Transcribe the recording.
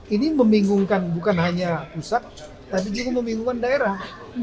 ini membingungkan bukan hanya pusat tapi juga membingungkan daerah